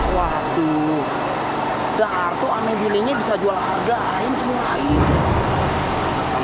waktu waktu aneh aneh bisa jual ada lain semuanya